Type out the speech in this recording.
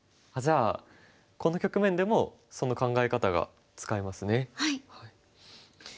あっじゃあこの局面でもその考え方が使えますね。